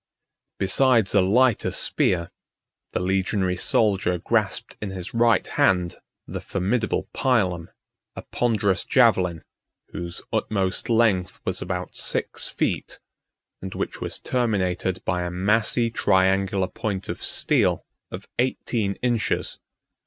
Besides a lighter spear, the legionary soldier grasped in his right hand the formidable pilum, a ponderous javelin, whose utmost length was about six feet, and which was terminated by a massy triangular point of steel of eighteen inches.